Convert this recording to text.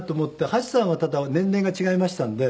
橋さんはただ年齢が違いましたんで。